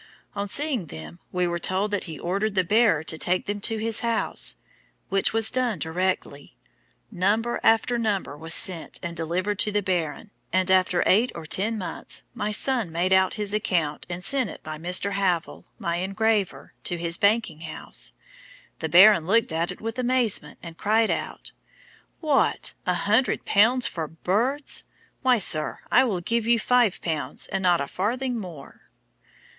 On seeing them we were told that he ordered the bearer to take them to his house, which was done directly. Number after number was sent and delivered to the Baron, and after eight or ten months my son made out his account and sent it by Mr. Havell, my engraver, to his banking house. The Baron looked at it with amazement, and cried out, 'What, a hundred pounds for birds! Why, sir, I will give you five pounds and not a farthing more!'